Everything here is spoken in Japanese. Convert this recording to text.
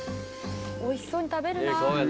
「おいしそうに食べるなあ」